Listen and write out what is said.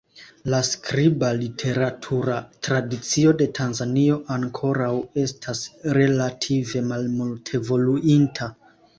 La skriba literatura tradicio de Tanzanio ankoraŭ estas relative malmultevoluinta.